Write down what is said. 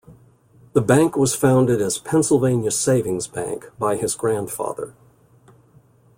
The bank was founded as Pennsylvania Savings Bank, by his grandfather.